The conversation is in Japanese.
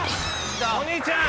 お兄ちゃん！